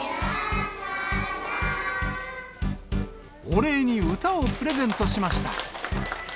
お礼に歌をプレゼントしました。